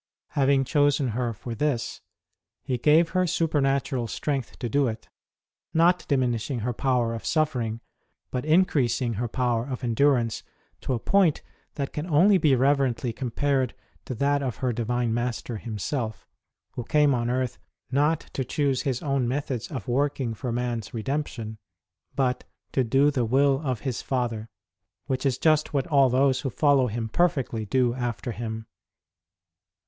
Having chosen her for this, He gave her super natural strength to do it not diminishing her power of suffering, but increasing her power of endurance to a point that can only be reverently compared to that of her Divine Master Himself, Who came on earth not to choose His own methods of working for man s redemption, but to do the will of His Father, which is just what all those who follow Him perfectly do after Him.